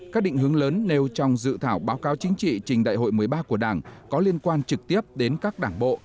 các định hướng lớn nêu trong dự thảo báo cáo chính trị trình đại hội một mươi ba của đảng có liên quan trực tiếp đến các đảng bộ